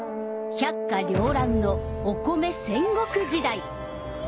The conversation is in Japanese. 百花繚乱のお米戦国時代！